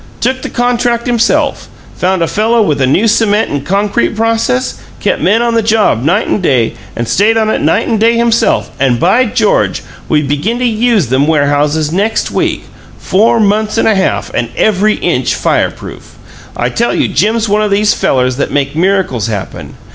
Took the contract himself; found a fellow with a new cement and concrete process; kept men on the job night and day, and stayed on it night and day himself and, by George! we begin to USE them warehouses next week! Four months and a half, and every inch fireproof! I tell you Jim's one o' these fellers that make miracles happen!